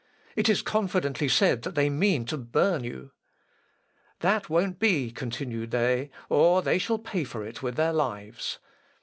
It is confidently said that they mean to burn you." "That won't be," continued they, "or they shall pay for it with their lives."